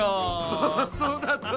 あっそうだった。